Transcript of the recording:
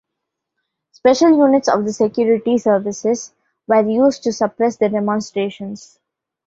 Special units of the security services were used to suppress the demonstrations.